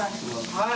・はい。